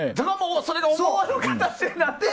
それが思わぬ形になって。